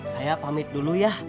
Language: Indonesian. saya pamit dulu ya